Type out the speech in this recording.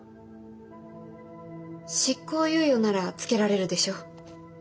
執行猶予ならつけられるでしょう。